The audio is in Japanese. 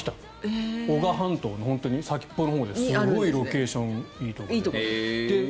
男鹿半島の先っぽのほうですごいロケーションがいいところです。